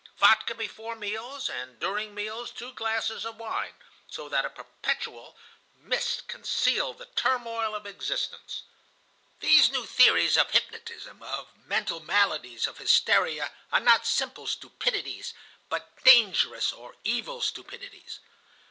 Vodka before meals, and during meals two glasses of wine, so that a perpetual mist concealed the turmoil of existence. "These new theories of hypnotism, of mental maladies, of hysteria are not simple stupidities, but dangerous or evil stupidities.